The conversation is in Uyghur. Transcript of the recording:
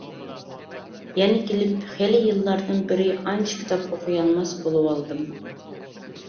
يەنە كېلىپ خېلى يىللاردىن بېرى ئانچە كىتاب ئوقۇيالماس بولۇۋالدىم.